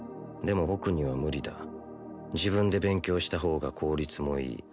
でも僕には無理だ自分で勉強した方が効率もいい